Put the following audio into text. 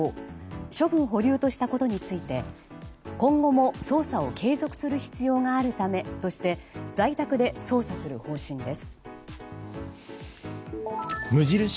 処分保留としたことについて今後も捜査を継続する必要があるためとして在宅で捜査する方針です。